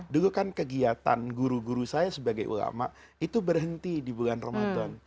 dulu kan kegiatan guru guru saya sebagai ulama itu berhenti di bulan ramadan